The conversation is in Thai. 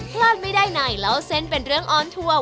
พลาดไม่ได้ในเล่าเส้นเป็นเรื่องออนทัวร์